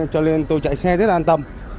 cho nên tôi chạy xe rất an tâm